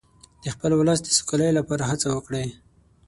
د خپل ولس د سوکالۍ لپاره هڅه وکړئ.